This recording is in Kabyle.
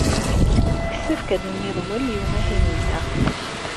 Yessefk ad nemmiḍwel i umahil-nteɣ.